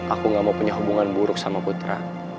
aku gak mau punya hubungan buruk sama putra